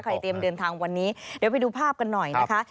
เตรียมเดินทางวันนี้เดี๋ยวไปดูภาพกันหน่อยนะคะ